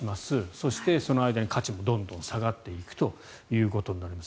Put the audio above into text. そしてその間に価値もどんどん下がっていくということになります。